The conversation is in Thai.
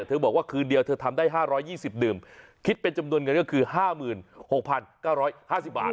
เธอบอกว่าคืนเดียวเธอทำได้ห้าร้อยยี่สิบดื่มคิดเป็นจำนวนเงินก็คือห้าหมื่นหกพันเก้าร้อยห้าสิบบาท